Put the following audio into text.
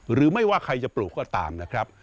หรือไม่ว่าใครจะปลูกก็ตามนะครับ